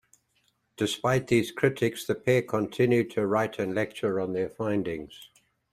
Despite these critics the pair continued to write and lecture on their findings.